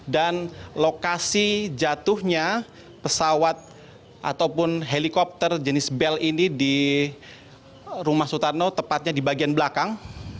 dan lokasi jatuhnya pesawat ataupun helikopter jenis bel ini di rumah sutarno tepatnya di bagian belakang